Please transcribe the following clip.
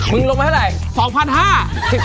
มึงลงไปเท่านั้นไง